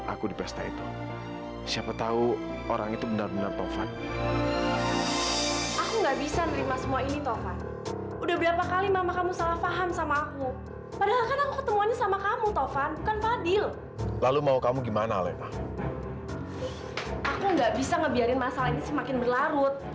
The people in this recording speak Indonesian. aku nggak bisa ngebiarin masalah ini semakin berlarut